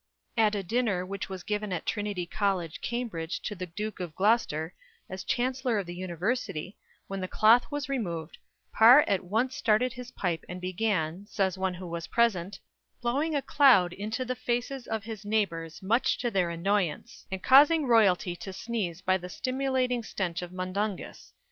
At a dinner which was given at Trinity College, Cambridge, to the Duke of Gloucester, as Chancellor of the University, when the cloth was removed, Parr at once started his pipe and began, says one who was present, "blowing a cloud into the faces of his neighbours, much to their annoyance, and causing royalty to sneeze by the stimulating stench of mundungus."